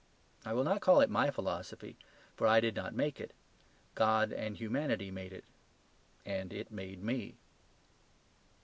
I will not call it my philosophy; for I did not make it. God and humanity made it; and it made me.